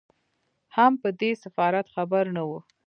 هم په دې سفارت خبر نه وو.